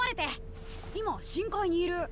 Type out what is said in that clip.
今深海にいる。